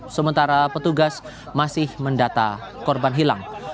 sementara petugas masih mendata korban hilang